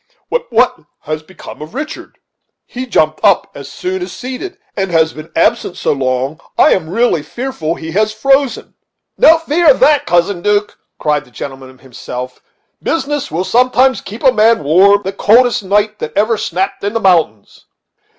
"But what has become of Richard? he jumped up as soon as seated, and has been absent so long that I am really fearful he has frozen." "No fear of that, Cousin 'Duke," cried the gentleman himself; "business will sometimes keep a man warm the coldest night that ever snapt in the mountains.